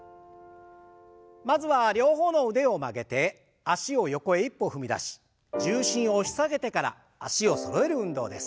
まずは両方の腕を曲げて脚を横へ一歩踏み出し重心を押し下げてから脚をそろえる運動です。